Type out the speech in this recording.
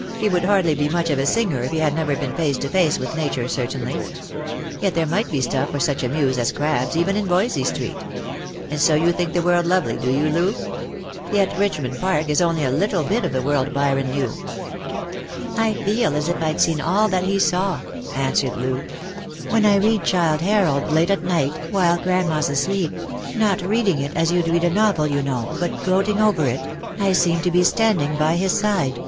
" He would hardly be much of a singer if he had never been face to face with nature certainly. Yet there might be stuff for such a muse as Crabbe's, even in Voysey street. And so you think the world lovely, do you, Loo ? Yet Richmond Park is only a little bit of the world Byron knew." " I feel as if I'd seen all that he saw," answered Loo. " When I read Ghilde Harold late at night, while grandma's asleep — not reading it as you'd read a novel, you know, but gloating over it — I seem to be standing by his side.